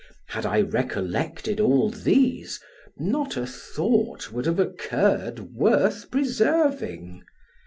Had I recollected all these, not a thought would have occurred worth preserving.